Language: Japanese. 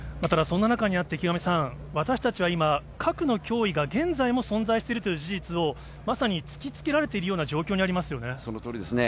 ただ、そんな中にあって、池上さん、私たちは今、核の脅威が現在も存在しているという事実を、まさに突きつけられそのとおりですね。